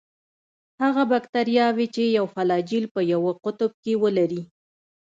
هغه باکتریاوې چې یو فلاجیل په یوه قطب کې ولري.